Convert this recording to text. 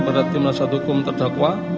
kepada tim nasihat hukum terdakwa